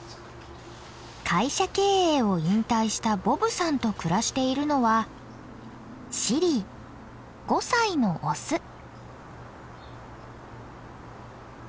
会社経営を引退したボブさんと暮らしているのはシリー５歳のオス。